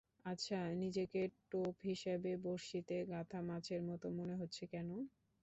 আচ্ছা, নিজেকে টোপ হিসেবে বড়শিতে গাঁথা মাছের মতো মনে হচ্ছে কেন?